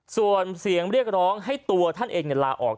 ส่วนเสียงเรียกร้องให้ตัวท่านเองลาออก